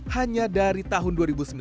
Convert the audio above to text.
hanya dari tahun dua ribu sembilan belas